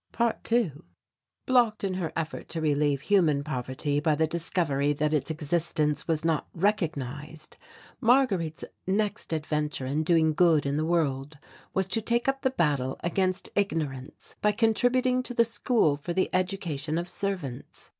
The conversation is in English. ~2~ Blocked in her effort to relieve human poverty by the discovery that its existence was not recognized, Marguerite's next adventure in doing good in the world was to take up the battle against ignorance by contributing to the School for the Education of Servants.